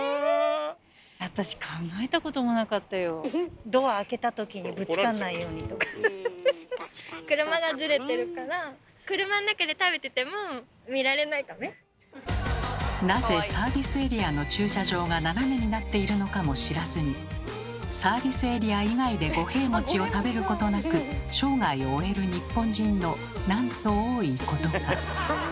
私車がずれてるからなぜサービスエリアの駐車場が斜めになっているのかも知らずにサービスエリア以外で五平餅を食べることなく生涯を終える日本人のなんと多いことか。